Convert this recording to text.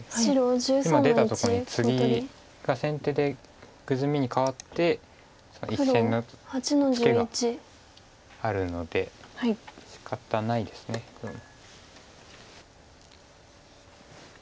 今出たとこにツギが先手でグズミに換わって１線のツケがあるのでしかたないです黒も。